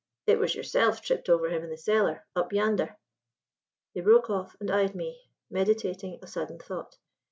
"It was yourself tripped over him in the cellar, up yandhar." He broke off and eyed me, meditating a sudden thought.